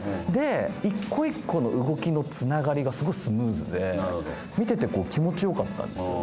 一個一個の動きのつながりがすごくスムーズで見てて気持ちよかったんですよね。